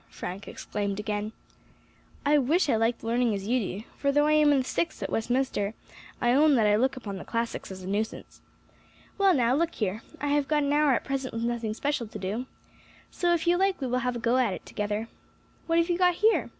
Frank exclaimed again. "I wish I liked learning as you do, for though I am in the Sixth at Westminster, I own that I look upon the classics as a nuisance. Well, now, look here; I have got an hour at present with nothing special to do, so if you like we will have a go at it together. What have you got here?"